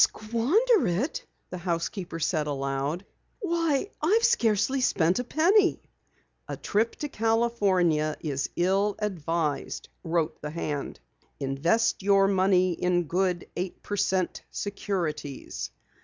"Squander it?" the housekeeper said aloud. "Why, I've scarcely spent a penny!" "A trip to California is ill advised," wrote the hand. "Invest your money in good eight per cent securities.